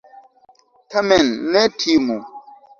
Tamen ne timu!